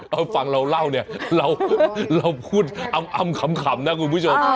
เอาฟังเราเล่าเนี่ยเราพูดอ้ำขำนะคุณผู้ชม